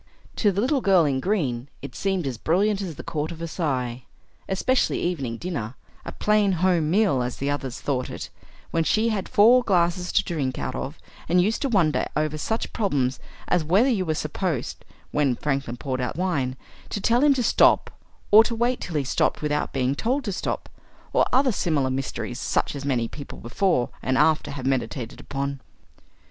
To the Little Girl in Green it seemed as brilliant as the Court of Versailles; especially evening dinner a plain home meal as the others thought it when she had four glasses to drink out of and used to wonder over such problems as whether you were supposed, when Franklin poured out wine, to tell him to stop or to wait till he stopped without being told to stop; and other similar mysteries, such as many people before and after have meditated upon.